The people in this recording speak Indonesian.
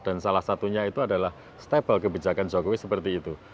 dan salah satunya itu adalah stabil kebijakan jokowi seperti itu